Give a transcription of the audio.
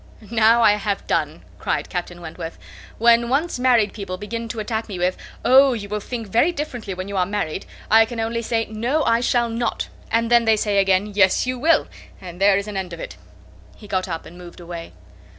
"Now I have done," cried Captain Wentworth. "When once married people begin to attack me with,—'Oh! you will think very differently, when you are married.' I can only say, 'No, I shall not;' and then they say again, 'Yes, you will,' and there is an end of it." He got up and moved away.